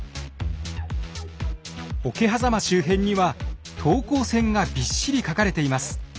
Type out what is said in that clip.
桶狭間周辺には等高線がびっしり描かれています。